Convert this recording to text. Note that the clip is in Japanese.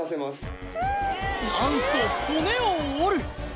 なんと骨を折る！